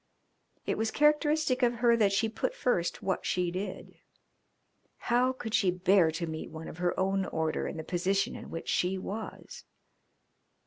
It was characteristic of her that she put first what she did. How could she bear to meet one of her own order in the position in which she was?